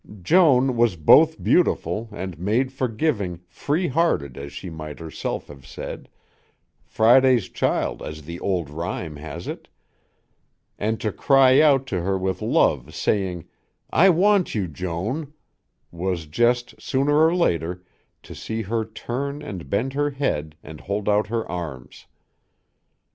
Joan was both beautiful and made for giving, "free hearted" as she might herself have said, Friday's child as the old rhyme has it, and to cry out to her with love, saying, "I want you, Joan," was just, sooner or later, to see her turn and bend her head and hold out her arms.